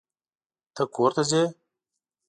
ته کورته ځې؟